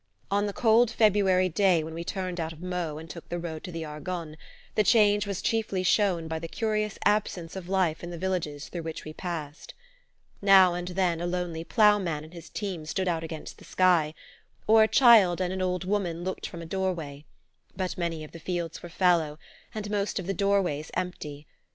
On the cold February day when we turned out of Meaux and took the road to the Argonne, the change was chiefly shown by the curious absence of life in the villages through which we passed. Now and then a lonely ploughman and his team stood out against the sky, or a child and an old woman looked from a doorway; but many of the fields were fallow and most of the doorways empty.